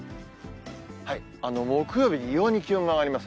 木曜日、異様に気温が上がります。